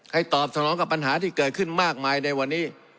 ตอบสนองกับปัญหาที่เกิดขึ้นมากมายในวันนี้